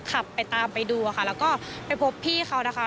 ขับไปตามไปดูค่ะแล้วก็ไปพบพี่เขานะคะ